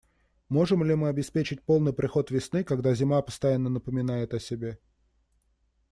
Можем ли мы обеспечить полный приход весны, когда зима постоянно напоминает о себе?